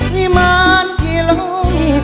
มีมานที่ล้ม